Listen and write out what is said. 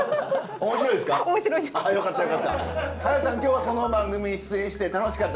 今日はこの番組出演して楽しかったですか？